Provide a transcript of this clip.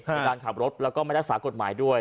มีการขับรถแล้วก็ไม่รักษากฎหมายด้วย